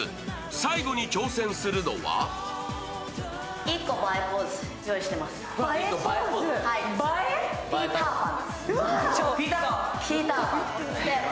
最後に挑戦するのはつかむ、前、ピーター・パン。